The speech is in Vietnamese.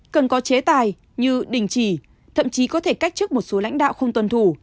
cần có chế tài như đình chỉ thậm chí có thể cách chức một số lãnh đạo không tuân thủ